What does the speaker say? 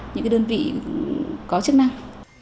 những đơn vị có chức năng